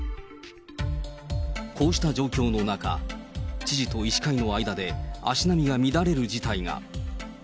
こうした状況の中、知事と医師会の間で足並みが乱れる事態が。